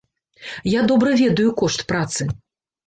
Я добра ведаю кошт працы.